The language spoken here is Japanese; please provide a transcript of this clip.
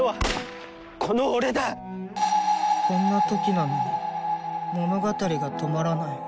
こんな時なのに物語が止まらない。